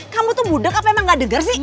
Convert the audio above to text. kamu tuh muda kak apa emang gak degar sih